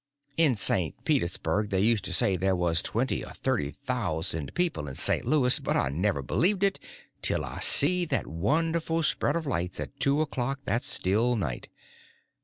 In St. Petersburg they used to say there was twenty or thirty thousand people in St. Louis, but I never believed it till I see that wonderful spread of lights at two o'clock that still night.